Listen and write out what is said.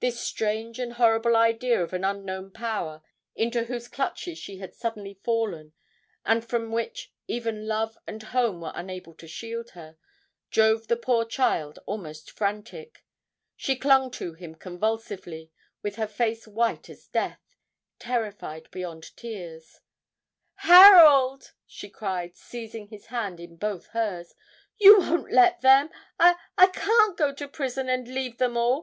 This strange and horrible idea of an unknown power into whose clutches she had suddenly fallen, and from which even love and home were unable to shield her, drove the poor child almost frantic; she clung to him convulsively, with her face white as death, terrified beyond tears. 'Harold!' she cried, seizing his hand in both hers, 'you won't let them! I I can't go to prison, and leave them all.